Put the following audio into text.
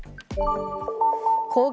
高額